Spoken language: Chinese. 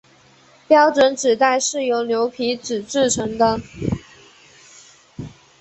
标准纸袋是由牛皮纸制成的。